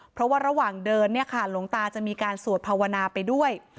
เพราะว่าระหว่างเดินเนี่ยค่ะหลวงตาจะมีการสวดภาวนาไปด้วย